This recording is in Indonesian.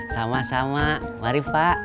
sama sama mari pak